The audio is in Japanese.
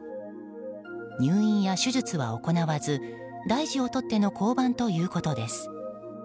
入院や手術は行われず大事を取っての降板ということです。